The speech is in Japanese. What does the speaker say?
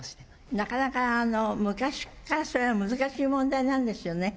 なかなか、昔から、それは難しい問題なんですよね。